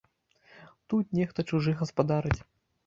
Тут нехта чужы гаспадарыць!